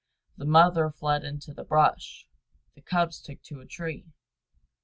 The mother fled into the brush; the cubs took to a tree.